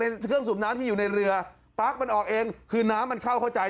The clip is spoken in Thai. เครื่องสูบน้ำที่อยู่ในเรือปลั๊กมันออกเองคือน้ำมันเข้าเข้าใจ